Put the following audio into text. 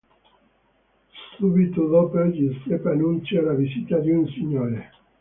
Subito dopo Giuseppe annuncia la visita di un signore.